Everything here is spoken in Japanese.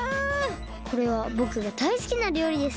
これはぼくがだいすきなりょうりですね。